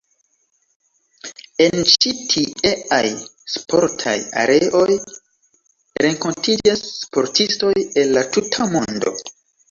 En ĉi tieaj sportaj areoj renkontiĝas sportistoj el la tuta mondo.